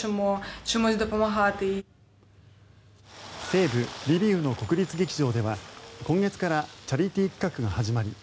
西部リビウの国立劇場では今月からチャリティー企画が始まり